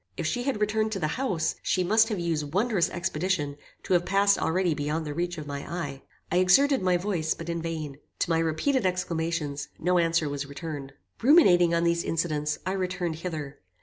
If she had returned to the house, she must have used wondrous expedition to have passed already beyond the reach of my eye. I exerted my voice, but in vain. To my repeated exclamations, no answer was returned. "Ruminating on these incidents, I returned hither.